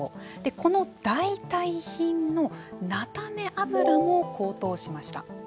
この代替品の菜種油も高騰しました。